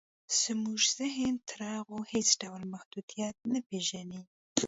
زموږ ذهن تر هغو هېڅ ډول محدوديت نه پېژني.